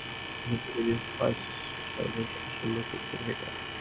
তাঁকে মারধরের কারণ জানতে চাইলে কোম্পানি কমান্ডারসহ বিজিবির পাঁচ-ছয়জন সদস্য মুকুলকে পেটান।